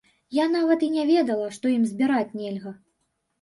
Я нават і не ведала, што ім збіраць нельга!